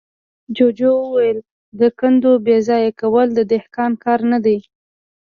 جوجو وويل: د کندو بېځايه کول د دهقان کار نه دی.